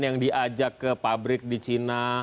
yang diajak ke pabrik di cina